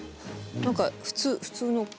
何か普通の。